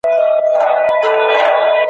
رسوي مو زیار او صبر تر هدف تر منزلونو `